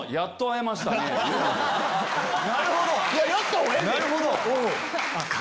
なるほど！